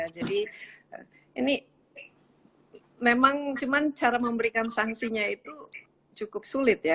jadi ini memang cuma cara memberikan sanksinya itu cukup sulit ya